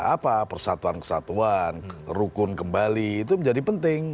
apa persatuan kesatuan rukun kembali itu menjadi penting